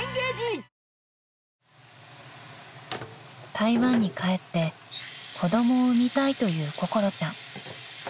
［台湾に帰って子供を産みたいという心ちゃん］